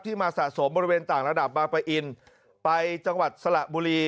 มาสะสมบริเวณต่างระดับบางปะอินไปจังหวัดสระบุรี